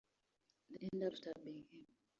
They end up stabbing him.